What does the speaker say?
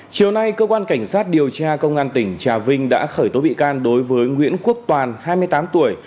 chiều nay cơ quan cảnh sát điều tra công an tỉnh trà vinh đã khởi tố bị can đối với nguyễn quốc toàn hai mươi tám tuổi